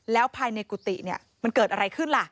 แล้วภายในกุฏิเนี่ยมันเกิดอะไรขึ้นล่ะ